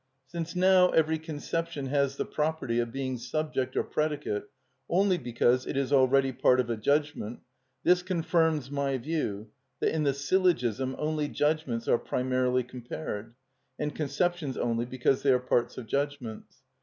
Since now every conception has the property of being subject or predicate only because it is already part of a judgment, this confirms my view that in the syllogism only judgments are primarily compared, and conceptions only because they are parts of judgments.